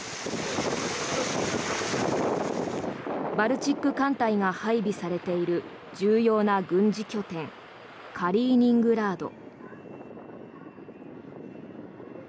バルチック艦隊が配備されている重要な軍事拠点カリーニングラード。